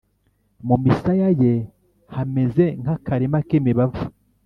Mu misaya ye hameze nk akarima k’ imibavu